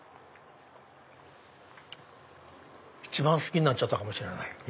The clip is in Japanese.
一番好きになったかもしれない。